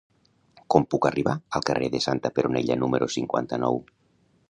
Com puc arribar al carrer de Santa Peronella número cinquanta-nou?